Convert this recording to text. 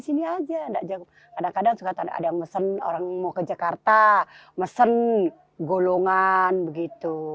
sini aja kadang kadang suka ada yang mesen orang mau ke jakarta mesen golongan begitu